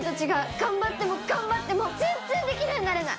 頑張っても頑張っても全然できるようになれない。